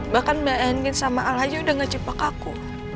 bahkan mbak andin sama al aja udah gak cepet aku